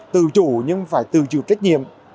tự chủ nhưng phải tự chịu trách nhiệm